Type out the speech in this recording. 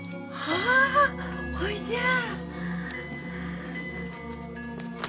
ああほいじゃあ。